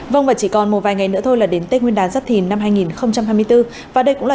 vâng và chỉ còn một vài ngày nữa thôi là đến tết nguyên đán giáp thìn năm hai nghìn hai mươi bốn và đây cũng là